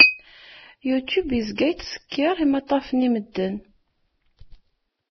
Youtube yezga yettsekkiṛ imaṭṭafen i medden.